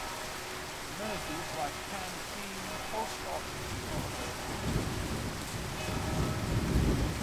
Amenities like Canteen, PostOffice are available.